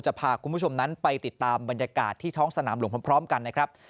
พาคุณผู้ชมนั้นไปติดตามบรรยากาศที่ท้องสนามหลวงพร้อมกันนะครับ